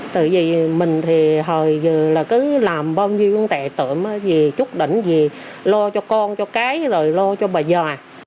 tại vì mình thì hồi vừa là cứ làm bao nhiêu con tệ tưởng chút đỉnh gì lo cho con cho cái rồi lo cho bà già